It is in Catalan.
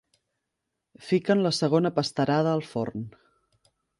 Fiquen la segona pasterada al forn.